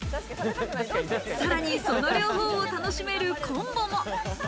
さらにその両方を楽しめるコンボも。